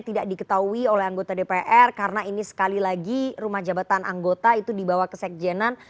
tidak diketahui oleh anggota dpr karena ini sekali lagi rumah jabatan anggota itu dibawa ke sekjenan